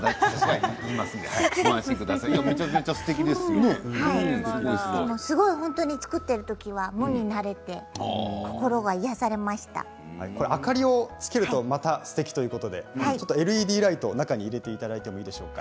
でも作ってて無になれて明かりをつけるとまたすてきということでＬＥＤライトを中に入れていただいていいんでしょうか。